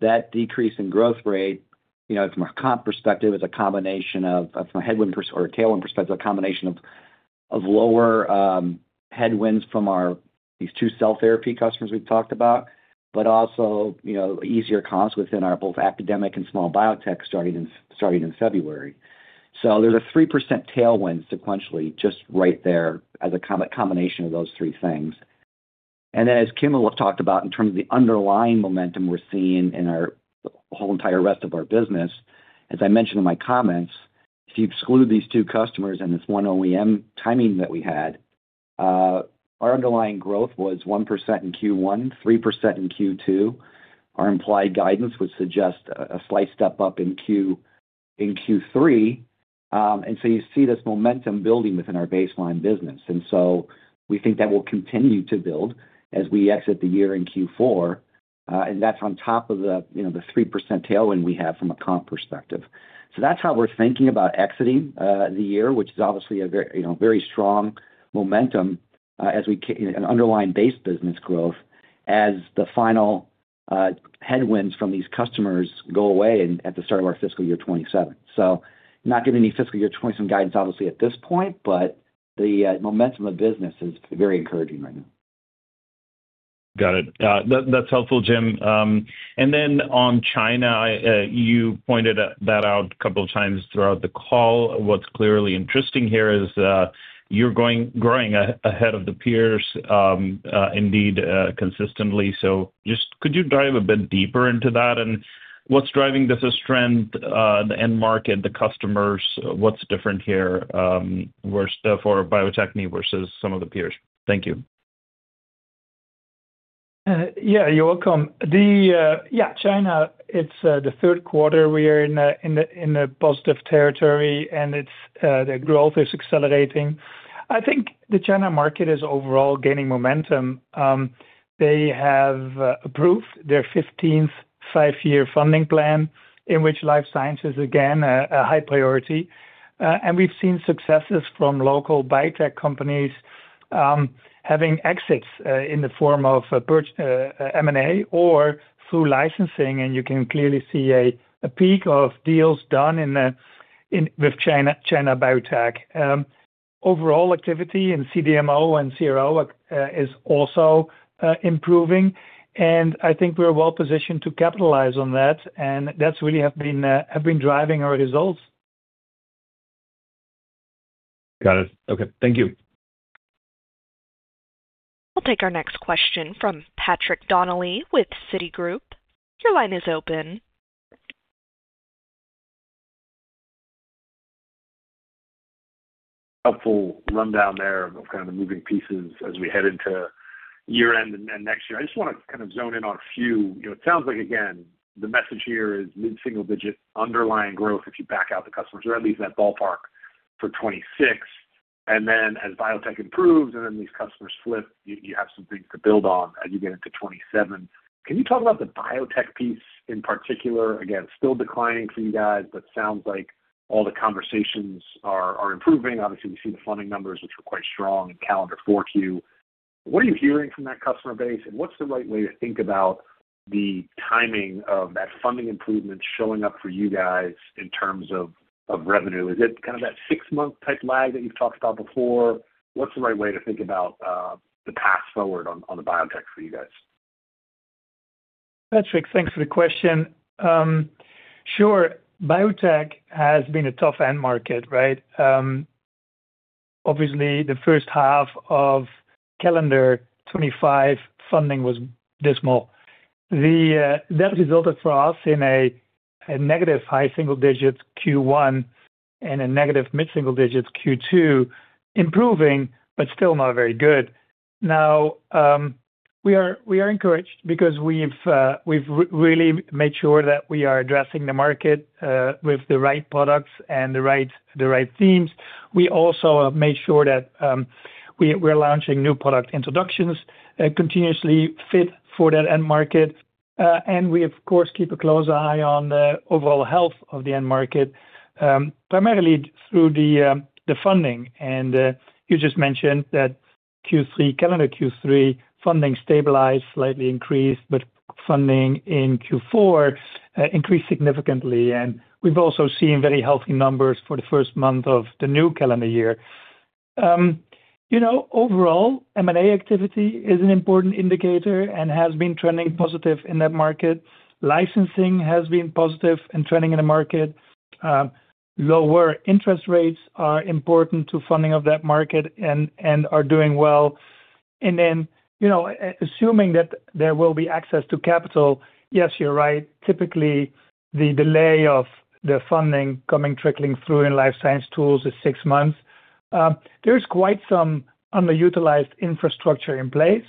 Speaker 4: That decrease in growth rate, you know, from a comp perspective, is a combination of some headwind perspective or tailwind perspective, a combination of lower headwinds from our these two cell therapy customers we've talked about, but also, you know, easier comps within our both academic and small biotech starting in February. So there's a 3% tailwind sequentially, just right there as a combination of those three things. And then, as Kimmel talked about, in terms of the underlying momentum we're seeing in our whole entire rest of our business, as I mentioned in my comments, if you exclude these two customers and this one OEM timing that we had, our underlying growth was 1% in Q1, 3% in Q2. Our implied guidance would suggest a slight step up in Q3. And so you see this momentum building within our baseline business. And so we think that will continue to build as we exit the year in Q4, and that's on top of the, you know, the 3% tailwind we have from a comp perspective. That's how we're thinking about exiting the year, which is obviously a very, you know, very strong momentum, as we can—an underlying base business growth, as the final headwinds from these customers go away at the start of our fiscal year 2027. Not giving any fiscal year 2027 guidance, obviously, at this point, but the momentum of business is very encouraging right now.
Speaker 7: Got it. That, that's helpful, Jim. And then on China, I, you pointed that out a couple of times throughout the call. What's clearly interesting here is, you're going, growing ahead of the peers, indeed, consistently. So just, could you dive a bit deeper into that? And what's driving this trend, the end market, the customers, what's different here, versus, for Bio-Techne versus some of the peers? Thank you.
Speaker 3: Yeah, you're welcome. Yeah, China, it's the third quarter we are in a positive territory, and the growth is accelerating. I think the China market is overall gaining momentum. They have approved their fifteenth five-year funding plan, in which life science is again a high priority. And we've seen successes from local biotech companies having exits in the form of M&A or through licensing, and you can clearly see a peak of deals done with China biotech. Overall activity in CDMO and CRO is also improving, and I think we're well positioned to capitalize on that, and that's really have been driving our results....
Speaker 7: Got it. Okay, thank you.
Speaker 1: We'll take our next question from Patrick Donnelly with Citigroup. Your line is open.
Speaker 8: Helpful rundown there of kind of the moving pieces as we head into year-end and next year. I just want to kind of zone in on a few. You know, it sounds like, again, the message here is mid-single digit underlying growth if you back out the customers, or at least in that ballpark for 2026. And then as biotech improves and then these customers flip, you have some things to build on as you get into 2027. Can you talk about the biotech piece in particular? Again, still declining for you guys, but sounds like all the conversations are improving. Obviously, we've seen the funding numbers, which were quite strong in calendar 4Q. What are you hearing from that customer base, and what's the right way to think about the timing of that funding improvement showing up for you guys in terms of revenue? Is it kind of that six-month type lag that you've talked about before? What's the right way to think about the path forward on the biotech for you guys?
Speaker 3: Patrick, thanks for the question. Sure. Biotech has been a tough end market, right? Obviously, the first half of calendar 2025 funding was dismal. That resulted for us in a negative high single digits Q1 and a negative mid-single digits Q2, improving, but still not very good. Now, we are encouraged because we've really made sure that we are addressing the market with the right products and the right teams. We also have made sure that we're launching new product introductions continuously fit for that end market. And we, of course, keep a close eye on the overall health of the end market, primarily through the funding. And you just mentioned that Q3, calendar Q3, funding stabilized, slightly increased, but funding in Q4 increased significantly. We've also seen very healthy numbers for the first month of the new calendar year. You know, overall, M&A activity is an important indicator and has been trending positive in that market. Licensing has been positive and trending in the market. Lower interest rates are important to funding of that market and are doing well. Then, you know, assuming that there will be access to capital, yes, you're right. Typically, the delay of the funding coming trickling through in life science tools is 6 months. There's quite some underutilized infrastructure in place,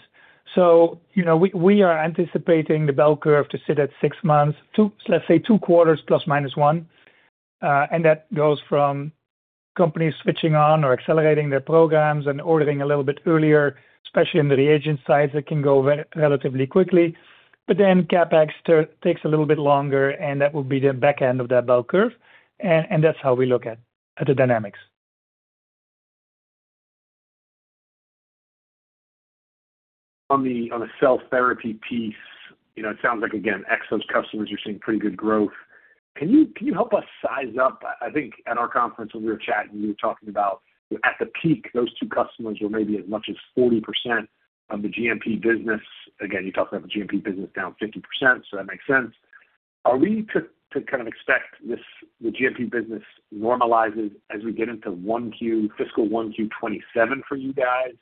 Speaker 3: so, you know, we are anticipating the bell curve to sit at six months, two—let's say two quarters plus, minus one. And that goes from companies switching on or accelerating their programs and ordering a little bit earlier, especially in the reagent size; it can go relatively quickly. But then CapEx takes a little bit longer, and that will be the back end of that bell curve. And that's how we look at the dynamics.
Speaker 8: On the cell therapy piece, you know, it sounds like, again, Exo's customers are seeing pretty good growth. Can you help us size up? I think at our conference, when we were chatting, we were talking about at the peak, those two customers were maybe as much as 40% of the GMP business. Again, you talked about the GMP business down 50%, so that makes sense. Are we to kind of expect this, the GMP business normalizes as we get into 1Q fiscal 1Q 2027 for you guys,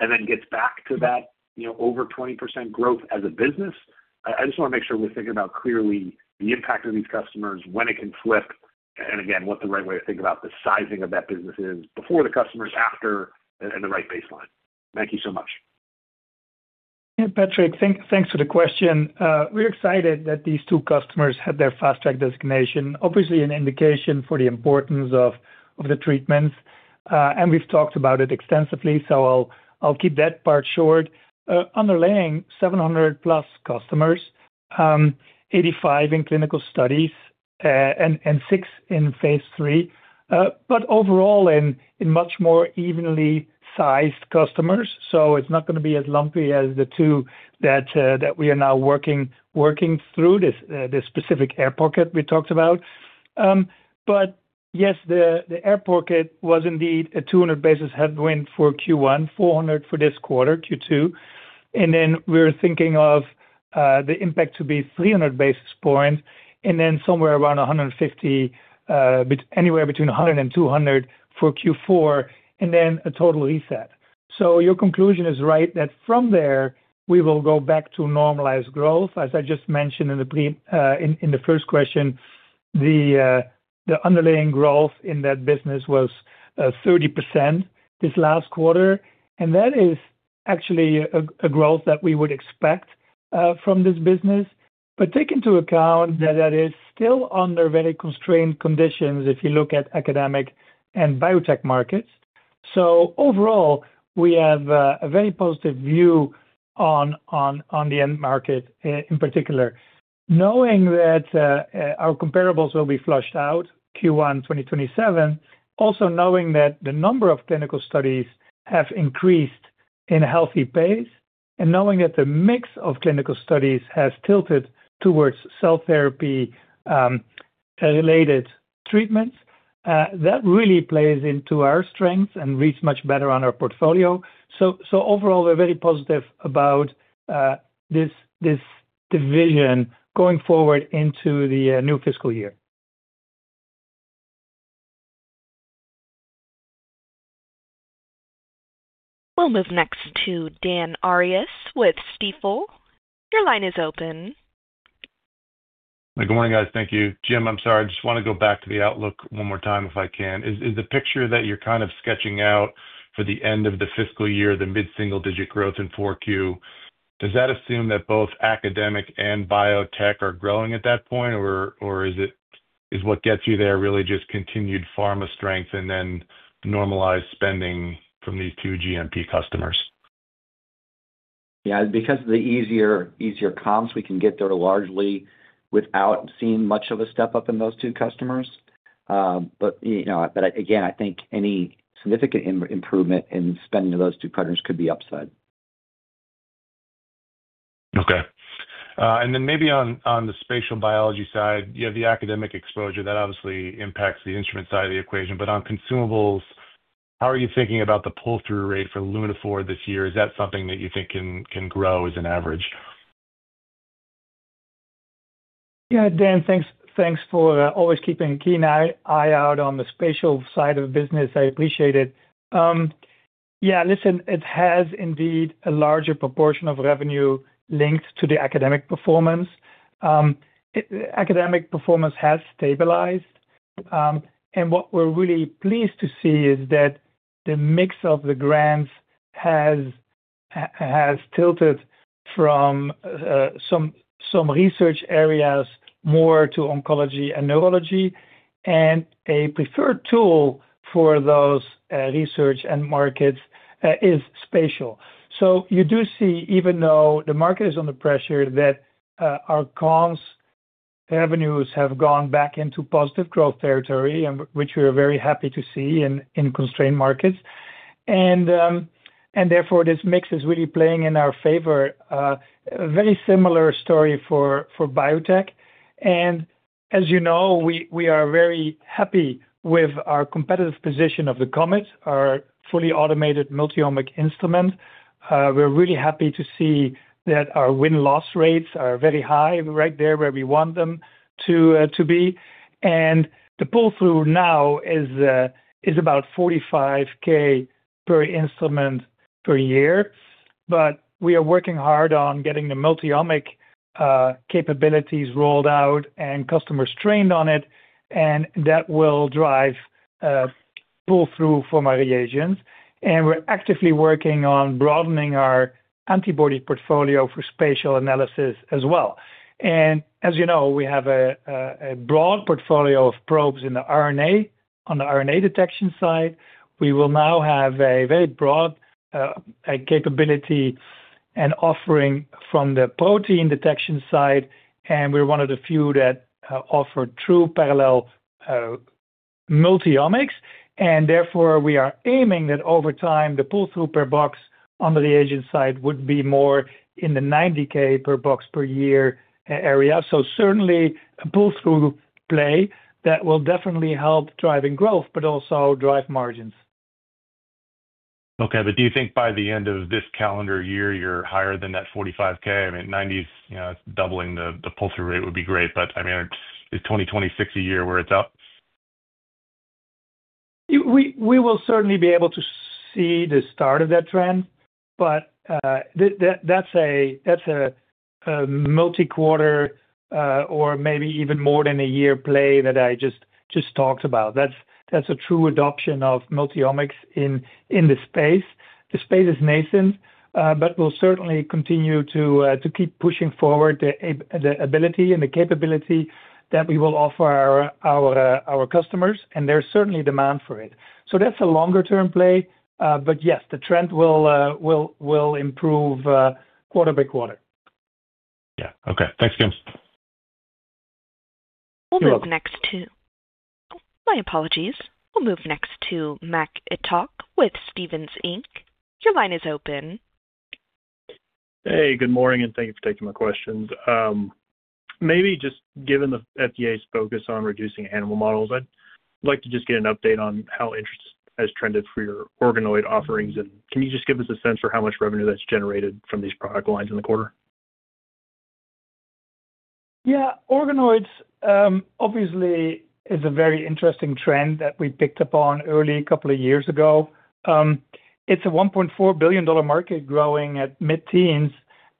Speaker 8: and then gets back to that, you know, over 20% growth as a business? I just wanna make sure we're thinking about clearly the impact of these customers, when it can flip, and again, what the right way to think about the sizing of that business is before the customers, after, and, and the right baseline. Thank you so much.
Speaker 3: Yeah, Patrick, thanks for the question. We're excited that these two customers have their Fast Track designation. Obviously, an indication for the importance of the treatments, and we've talked about it extensively, so I'll keep that part short. Underlying 700+ customers, 85 in clinical studies, and six in phase III. But overall in much more evenly sized customers, so it's not gonna be as lumpy as the two that we are now working through this specific air pocket we talked about. But yes, the air pocket was indeed a 200 basis headwind for Q1, 400 for this quarter, Q2. And then we're thinking of the impact to be 300 basis points and then somewhere around 150, anywhere between 100 and 200 for Q4, and then a total reset. So your conclusion is right, that from there, we will go back to normalized growth. As I just mentioned in the first question, the underlying growth in that business was 30% this last quarter, and that is actually a growth that we would expect from this business. But take into account that that is still under very constrained conditions if you look at academic and biotech markets. So overall, we have a very positive view on the end market in particular. Knowing that our comparables will be flushed out Q1 2027, also knowing that the number of clinical studies have increased in a healthy pace, and knowing that the mix of clinical studies has tilted towards cell therapy related treatments, that really plays into our strengths and reads much better on our portfolio. So overall, we're very positive about this division going forward into the new fiscal year.
Speaker 1: We'll move next to Dan Arias with Stifel. Your line is open.
Speaker 9: Good morning, guys. Thank you. Jim, I'm sorry, I just wanna go back to the outlook one more time, if I can. Is, is the picture that you're kind of sketching out for the end of the fiscal year, the mid-single-digit growth in Q4, does that assume that both academic and biotech are growing at that point? Or, or is it, is what gets you there really just continued pharma strength and then normalized spending from these two GMP customers?
Speaker 4: Yeah, because of the easier comps, we can get there largely without seeing much of a step up in those two customers. But, you know, but again, I think any significant improvement in spending of those two partners could be upside.
Speaker 9: Okay. And then maybe on, on the spatial biology side, you have the academic exposure. That obviously impacts the instrument side of the equation. But on consumables, how are you thinking about the pull-through rate for Lunaphore this year? Is that something that you think can, can grow as an average?
Speaker 3: Yeah, Dan, thanks, thanks for always keeping a keen eye out on the spatial side of the business. I appreciate it. Yeah, listen, it has indeed a larger proportion of revenue linked to the academic performance. Academic performance has stabilized, and what we're really pleased to see is that the mix of the grants has tilted from some research areas more to oncology and neurology, and a preferred tool for those research and markets is spatial. So you do see, even though the market is under pressure, that our COMET revenues have gone back into positive growth territory, and which we are very happy to see in constrained markets. Therefore, this mix is really playing in our favor. A very similar story for biotech. As you know, we are very happy with our competitive position of the COMET, our fully automated multiomic instrument. We're really happy to see that our win-loss rates are very high, right there where we want them to be. And the pull-through now is about $45K per instrument per year, but we are working hard on getting the multiomic capabilities rolled out and customers trained on it, and that will drive pull-through for reagents. And we're actively working on broadening our antibody portfolio for spatial analysis as well. And as you know, we have a broad portfolio of probes in the RNA, on the RNA detection side. We will now have a very broad capability and offering from the protein detection side, and we're one of the few that offer true parallel multiomics. Therefore, we are aiming that over time, the pull-through per box on the reagent side would be more in the $90,000 per box per year area. Certainly a pull-through play that will definitely help driving growth, but also drive margins.
Speaker 9: Okay, but do you think by the end of this calendar year, you're higher than that 45,000? I mean, 90s, you know, doubling the pull-through rate would be great, but I mean, is 2026 a year where it's up?
Speaker 3: We will certainly be able to see the start of that trend, but that that's a multi-quarter or maybe even more than a year play that I just talked about. That's a true adoption of multiomics in the space. The space is nascent, but we'll certainly continue to keep pushing forward the ability and the capability that we will offer our customers, and there's certainly demand for it. So that's a longer-term play, but yes, the trend will improve quarter by quarter.
Speaker 9: Yeah. Okay. Thanks, Kim.
Speaker 3: You're welcome.
Speaker 1: We'll move next to... My apologies. We'll move next to Mac Etoch with Stephens Inc. Your line is open.
Speaker 10: Hey, good morning, and thank you for taking my questions. Maybe just given the FDA's focus on reducing animal models, I'd like to just get an update on how interest has trended for your organoid offerings. Can you just give us a sense for how much revenue that's generated from these product lines in the quarter?
Speaker 3: Yeah. Organoids, obviously, is a very interesting trend that we picked up on early a couple of years ago. It's a $1.4 billion market growing at mid-teens,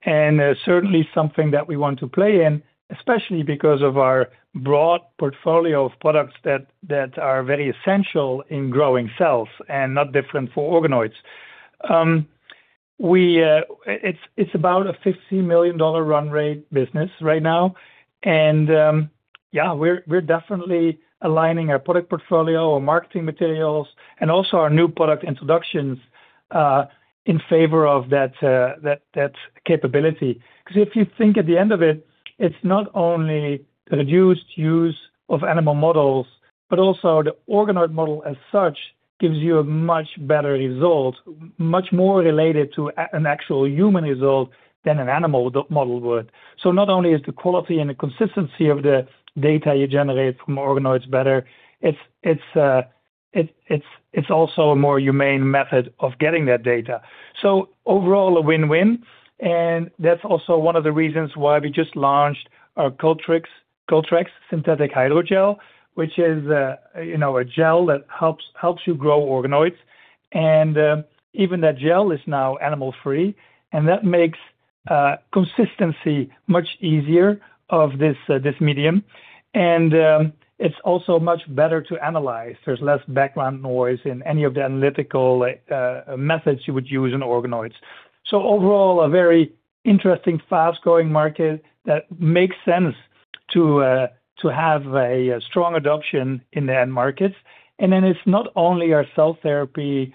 Speaker 3: and certainly something that we want to play in, especially because of our broad portfolio of products that, that are very essential in growing cells and not different for organoids. We, it's, it's about a $50 million run rate business right now, and yeah, we're, we're definitely aligning our product portfolio, our marketing materials, and also our new product introductions, in favor of that, that, that capability. 'Cause if you think at the end of it, it's not only the reduced use of animal models, but also the organoid model as such gives you a much better result, much more related to an actual human result than an animal model would. So not only is the quality and the consistency of the data you generate from organoids better, it's also a more humane method of getting that data. So overall, a win-win, and that's also one of the reasons why we just launched our Cultrex Synthetic Hydrogel, which is, you know, a gel that helps you grow organoids. And even that gel is now animal-free, and that makes consistency much easier of this medium. And it's also much better to analyze. There's less background noise in any of the analytical methods you would use in organoids. So overall, a very interesting, fast-growing market that makes sense to have a strong adoption in the end markets. And then it's not only our cell therapy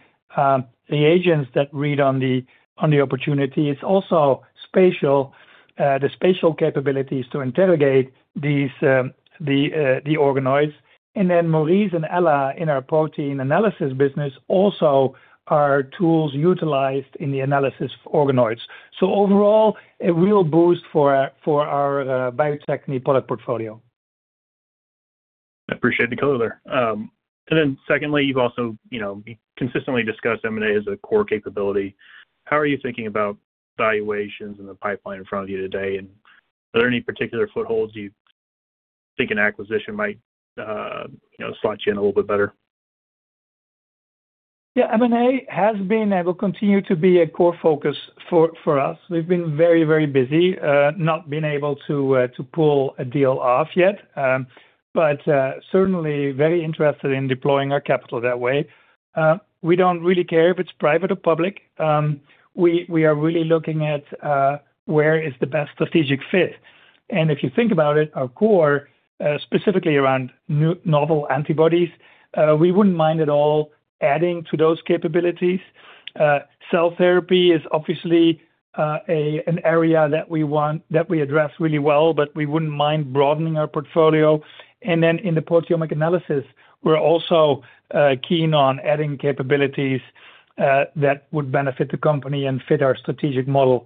Speaker 3: reagents that read on the opportunity, it's also spatial the spatial capabilities to interrogate these the organoids. And then Maurice and Ella, in our protein analysis business, also are tools utilized in the analysis of organoids. So overall, a real boost for our biotech product portfolio.
Speaker 10: I appreciate the color there. And then secondly, you've also, you know, consistently discussed M&A as a core capability. How are you thinking about valuations in the pipeline in front of you today, and are there any particular footholds you think an acquisition might, you know, slot you in a little bit better?
Speaker 3: Yeah, M&A has been and will continue to be a core focus for us. We've been very, very busy, not been able to pull a deal off yet, but certainly very interested in deploying our capital that way. We don't really care if it's private or public. We are really looking at where is the best strategic fit. And if you think about it, our core specifically around new novel antibodies, we wouldn't mind at all adding to those capabilities. Cell therapy is obviously an area that we want, that we address really well, but we wouldn't mind broadening our portfolio. And then in the proteomic analysis, we're also keen on adding capabilities that would benefit the company and fit our strategic model.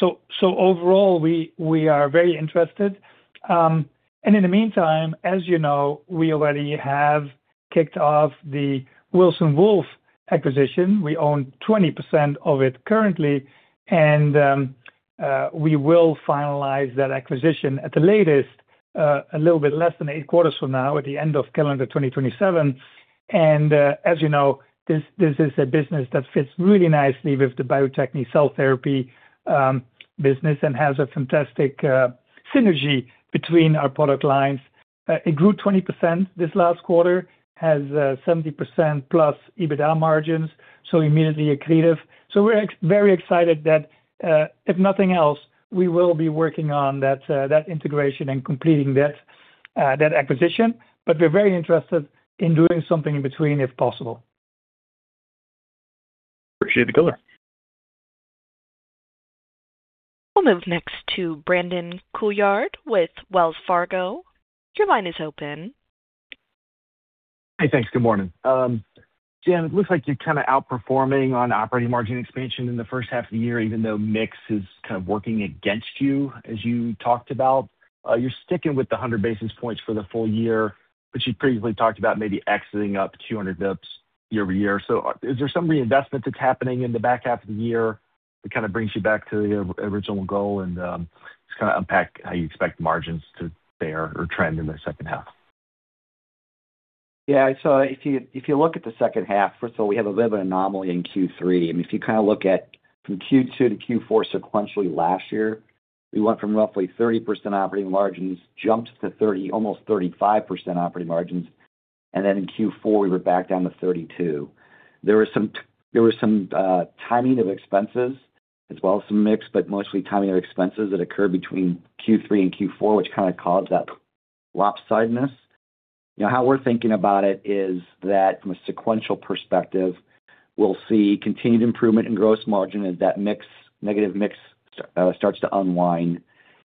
Speaker 3: So overall, we are very interested. And in the meantime, as you know, we already have kicked off the Wilson Wolf acquisition. We own 20% of it currently, and we will finalize that acquisition at the latest, a little bit less than 8 quarters from now, at the end of calendar 2027. And as you know, this is a business that fits really nicely with the biotech cell therapy business, and has a fantastic synergy between our product lines. It grew 20% this last quarter, has 70%+ EBITDA margins, so immediately accretive. So we're very excited that, if nothing else, we will be working on that integration and completing that acquisition. But we're very interested in doing something in between, if possible.
Speaker 10: Appreciate the color.
Speaker 1: We'll move next to Brandon Couillard with Wells Fargo. Your line is open.
Speaker 11: Hey, thanks. Good morning. Jim, it looks like you're kind of outperforming on operating margin expansion in the first half of the year, even though mix is kind of working against you, as you talked about. You're sticking with the 100 basis points for the full year, but you previously talked about maybe exiting up 200 basis points year over year. So, is there some reinvestment that's happening in the back half of the year that kind of brings you back to the original goal, and just kind of unpack how you expect margins to bear or trend in the second half?
Speaker 4: Yeah, so if you, if you look at the second half, first of all, we have a little bit of an anomaly in Q3. I mean, if you kind of look at from Q2 to Q4 sequentially last year, we went from roughly 30% operating margins, jumped to 30, almost 35% operating margins, and then in Q4, we were back down to 32. There was some timing of expenses as well as some mix, but mostly timing of expenses that occurred between Q3 and Q4, which kind of caused that lopsidedness. You know, how we're thinking about it is that from a sequential perspective, we'll see continued improvement in gross margin as that mix, negative mix, starts to unwind.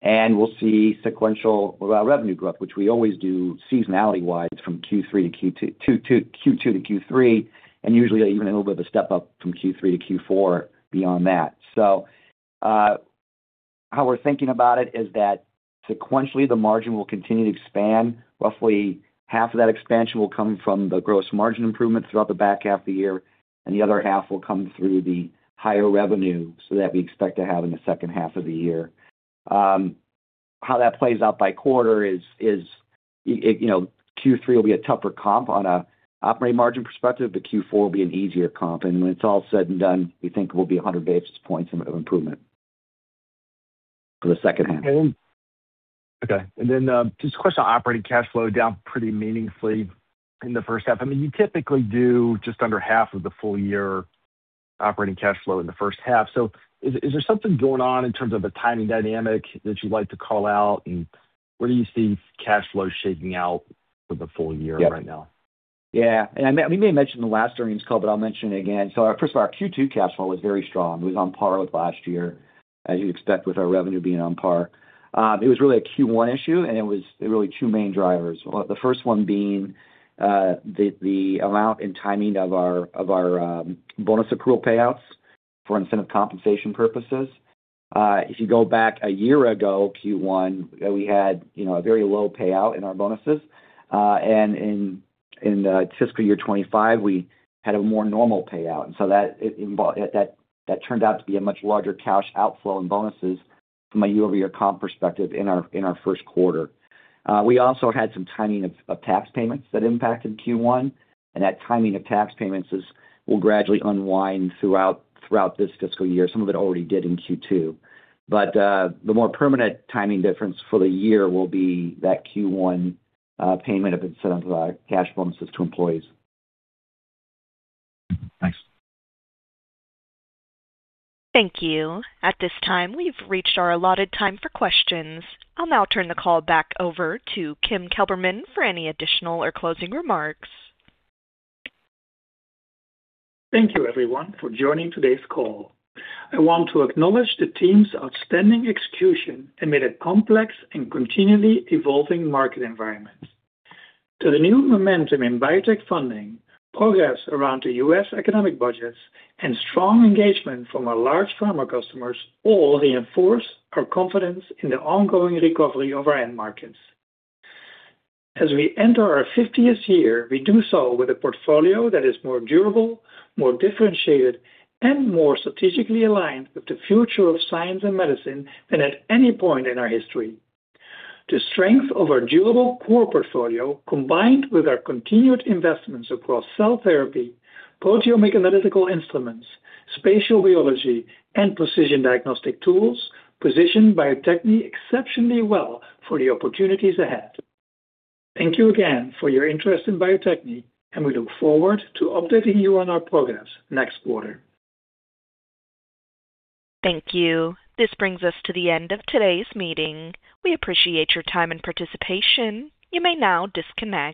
Speaker 4: We'll see sequential revenue growth, which we always do seasonality-wise from Q2 to Q3, and usually even a little bit of a step up from Q3 to Q4 beyond that. So, how we're thinking about it is that sequentially, the margin will continue to expand. Roughly half of that expansion will come from the gross margin improvement throughout the back half of the year, and the other half will come through the higher revenue so that we expect to have in the second half of the year. How that plays out by quarter is, you know, Q3 will be a tougher comp on an operating margin perspective, but Q4 will be an easier comp. And when it's all said and done, we think it will be 100 basis points of improvement for the second half.
Speaker 11: Okay, and then, just a question on operating cash flow, down pretty meaningfully in the first half. I mean, you typically do just under half of the full year operating cash flow in the first half. So is there something going on in terms of a timing dynamic that you'd like to call out? And where do you see cash flow shaping out for the full year right now?
Speaker 4: Yeah, and we may have mentioned the last earnings call, but I'll mention it again. So our, first of all, our Q2 cash flow was very strong. It was on par with last year, as you'd expect, with our revenue being on par. It was really a Q1 issue, and it was really two main drivers. The first one being the amount and timing of our bonus accrual payouts for incentive compensation purposes. If you go back a year ago, Q1, we had, you know, a very low payout in our bonuses. And in fiscal year 2025, we had a more normal payout, and so that turned out to be a much larger cash outflow in bonuses from a year-over-year comp perspective in our first quarter. We also had some timing of tax payments that impacted Q1, and that timing of tax payments will gradually unwind throughout this fiscal year. Some of it already did in Q2, but the more permanent timing difference for the year will be that Q1 payment of incentives, cash bonuses to employees. Thanks.
Speaker 1: Thank you. At this time, we've reached our allotted time for questions. I'll now turn the call back over to Kim Kelderman for any additional or closing remarks.
Speaker 3: Thank you, everyone, for joining today's call. I want to acknowledge the team's outstanding execution amid a complex and continually evolving market environment. To the new momentum in biotech funding, progress around the U.S. academic budgets, and strong engagement from our large pharma customers all reinforce our confidence in the ongoing recovery of our end markets. As we enter our fiftieth year, we do so with a portfolio that is more durable, more differentiated, and more strategically aligned with the future of science and medicine than at any point in our history. The strength of our durable core portfolio, combined with our continued investments across cell therapy, proteomics analytical instruments, spatial biology, and precision diagnostic tools, position Bio-Techne exceptionally well for the opportunities ahead. Thank you again for your interest in Bio-Techne, and we look forward to updating you on our progress next quarter.
Speaker 1: Thank you. This brings us to the end of today's meeting. We appreciate your time and participation. You may now disconnect.